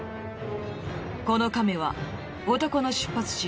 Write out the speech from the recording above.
このカメは男の出発地